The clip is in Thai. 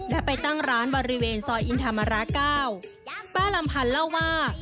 และไปตั้งร้านบริเวณซอยอินธรรมระเก้าป้าลำพันธ์เล่าว่า